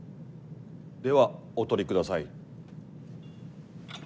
ではお取りください。